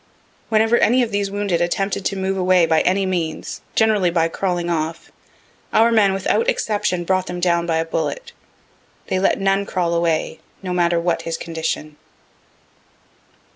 Whenever any of these wounded attempted to move away by any means, generally by crawling off, our men without exception brought them down by a bullet. They let none crawl away, no matter what his condition.